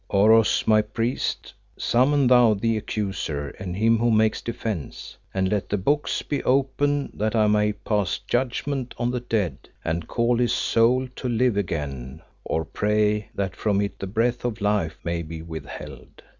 Oros, my priest, summon thou the Accuser and him who makes defence, and let the books be opened that I may pass my judgment on the dead, and call his soul to live again, or pray that from it the breath of life may be withheld.